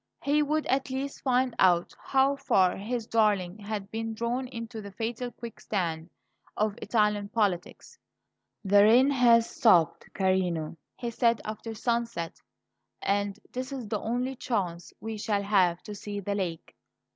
He would at least find out how far his darling had been drawn into the fatal quicksand of Italian politics. "The rain has stopped, carino," he said after sunset; "and this is the only chance we shall have to see the lake.